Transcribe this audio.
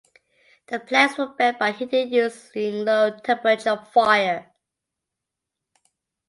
The planks were bent by heating using low temperature fire.